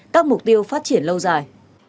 các mục tiêu phát triển lâu dài